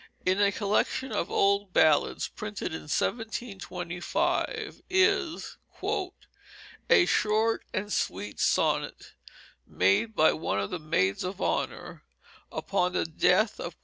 In a collection of old ballads printed in 1725 is "A Short and Sweet Sonnet made by one of the Maids of Honour upon the death of Q.